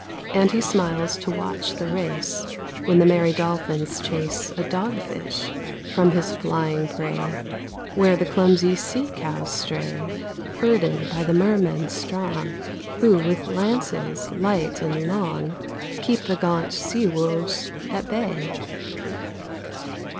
And he smiles to watch the race When the merry dolphins chase A dogfish from his flying prey; Where the clumsy sea cows stray, Herded by the mermen strong, Who, with lances light and long, Keep the gaunt sea wolves at bay.